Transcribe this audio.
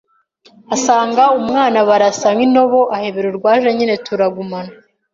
asanga umwana barasa nk’intobo, ahebera urwaje nyine turagumana,